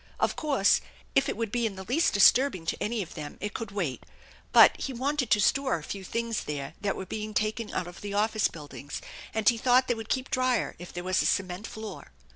Of course, if it would be in the least disturbing to any of them it could wait, but he wanted to store a few things there that were being taken out of the office buildings, and he thought they would keep drier if there was a cement floor.